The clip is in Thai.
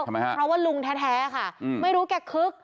ทำไมฮะเพราะว่าลุงแท้ค่ะไม่รู้แกคึก